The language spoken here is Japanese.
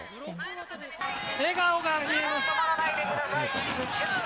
笑顔が見えます。